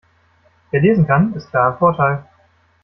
Wer lesen kann, ist klar im Vorteil.